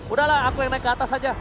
udah lah aku yang naik ke atas aja